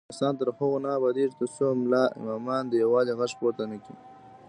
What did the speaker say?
افغانستان تر هغو نه ابادیږي، ترڅو ملا امامان د یووالي غږ پورته نکړي.